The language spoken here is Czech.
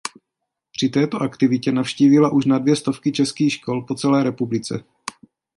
Při této aktivitě navštívila už na dvě stovky českých škol po celé republice.